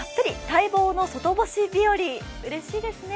待望の外干し日和、うれしいですね。